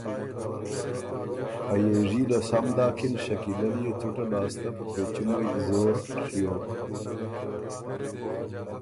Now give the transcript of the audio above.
ا يېژي له سم داکِن شکیلۀ ليې څُټه لاسته په پېچُمئ زور ڒیوک۔